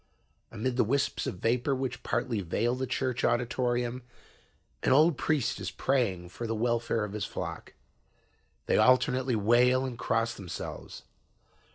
"Amid the whisps of vapor which partly veil the church auditorium, an old priest is praying for the welfare of his flock. They alternately wail and cross themselves.